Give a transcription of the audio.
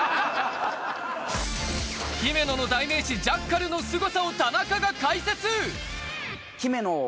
姫野の代名詞ジャッカルのすごさを田中が解説！